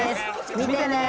見てね！